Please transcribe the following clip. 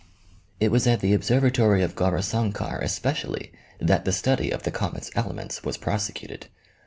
It was at the observatory of Gaurisankar especially that . the study of the comet's elements was prosecuted.